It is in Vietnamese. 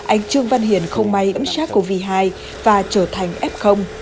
anh trương văn hiển không may ấm sars cov hai và trở thành f